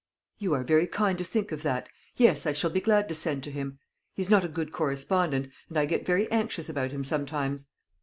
"You are very kind to think of that; yes, I shall be glad to send to him. He is not a good correspondent, and I get very anxious about him sometimes.